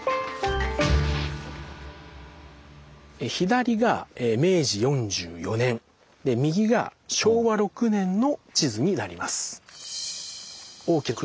左が明治４４年右が昭和６年の地図になります。